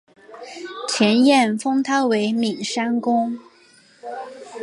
前燕封他为岷山公。